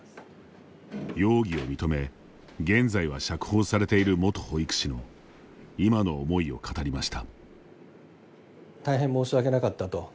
容疑を認め現在は釈放されている元保育士の今の思いを語りました。